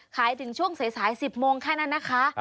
ถึงช่วงสาย๑๐โมงแค่นั้นนะคะ